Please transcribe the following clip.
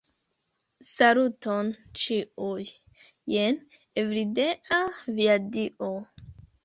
Saluton, ĉiuj! Jen Evildea, via dio.